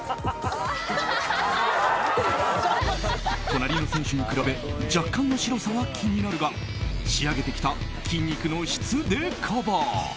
隣の選手に比べ若干の白さは気になるが仕上げてきた筋肉の質でカバー。